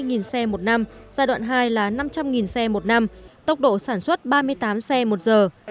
giai đoạn hai là năm trăm linh xe một năm tốc độ sản xuất ba mươi tám xe một giờ